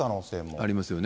ありますよね。